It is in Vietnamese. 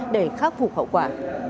để khắc phục hậu quả